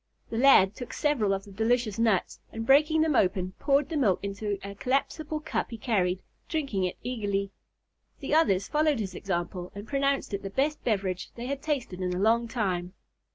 The lad took several of the delicious nuts, and breaking them open poured the milk into a collapsible cup he carried, drinking it eagerly. The others followed his example, and pronounced it the best beverage they had tasted in a long time.